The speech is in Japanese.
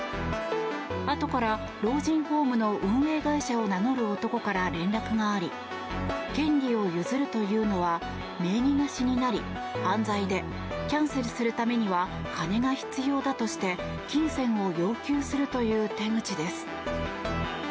あとから老人ホームの運営会社を名乗る男から連絡があり権利を譲るというのは名義貸しになり、犯罪でキャンセルするためには金が必要だとして金銭を要求するという手口です。